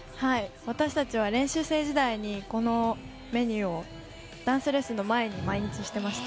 私たちは練習生時代にこのメニューをダンスレッスンの前に毎日してました。